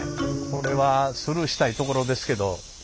これはスルーしたいところですけど。